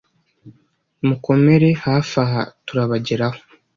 Mukomere hafi aha turabageraho